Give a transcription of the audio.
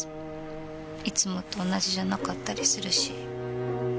いつもと同じじゃなかったりするし。